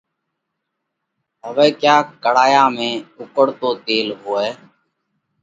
هوئہ ڪا ڪڙهايا ۾ اُوڪۯتو تيل هوئہ۔